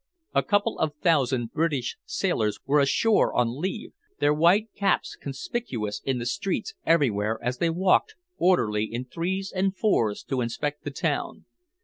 A couple of thousand British sailors were ashore on leave, their white caps conspicuous in the streets everywhere as they walked orderly in threes and fours to inspect the town.